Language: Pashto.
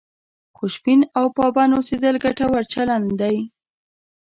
خوشبین او پابند اوسېدل ګټور چلند دی.